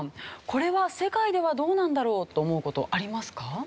「これは世界ではどうなんだろう？」と思う事ありますか？